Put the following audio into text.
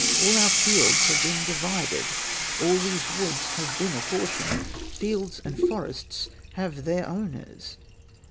All our fields have been divided, All these woods have been apportioned, Fields and forests have their owners."